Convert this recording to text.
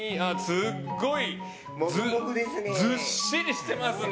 すっごいずっしりしてますね。